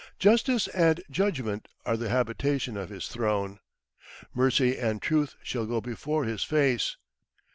Justice and judgment are the habitation of His throne! Mercy and truth shall go before His face!